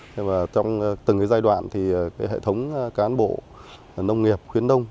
nhưng mà trong từng giai đoạn thì hệ thống cán bộ nông nghiệp khuyến đông